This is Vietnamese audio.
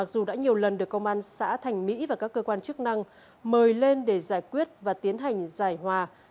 công an xã thành mỹ và các cơ quan chức năng mời lên để giải quyết và tiến hành giải hòa